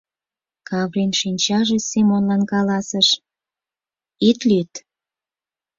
Каврин шинчаже Семонлан каласыш: ит лӱд!